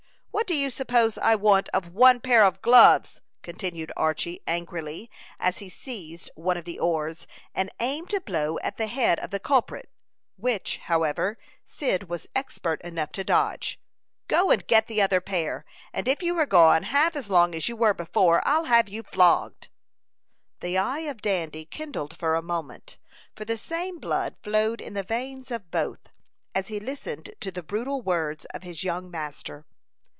"What do you suppose I want of one pair of gloves!" continued Archy, angrily, as he seized one of the oars, and aimed a blow at the head of the culprit, which, however, Cyd was expert enough to dodge. "Go and get the other pair; and if you are gone half as long as you were before, I'll have you flogged." The eye of Dandy kindled for a moment, for the same blood flowed in the veins of both, as he listened to the brutal words of his young master.